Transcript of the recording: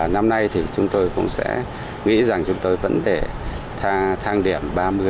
năm nay thì chúng tôi cũng sẽ nghĩ rằng chúng tôi vẫn để thang điểm ba mươi